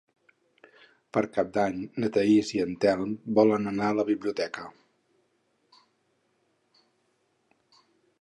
Per Cap d'Any na Thaís i en Telm volen anar a la biblioteca.